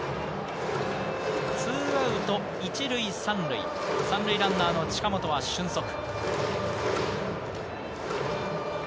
２アウト１塁３塁、３塁ランナーの近本は俊足。